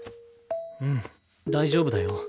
うん大丈夫だよ。